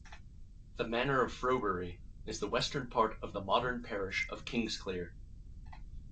The manor of Frobury is the western part of the modern parish of Kingsclere.